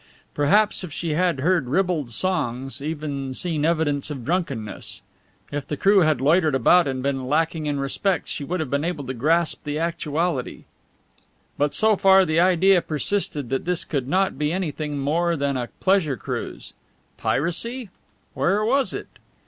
Perhaps if she had heard ribald songs, seen evidence of drunkenness; if the crew had loitered about and been lacking in respect, she would have been able to grasp the actuality; but so far the idea persisted that this could not be anything more than a pleasure cruise. Piracy? Where was it?